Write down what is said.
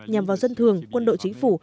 nhằm vào dân thường quân đội chính phủ